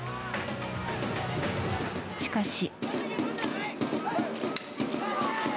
しかし。